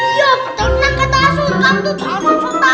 iya betul nah kata asuh kan tuh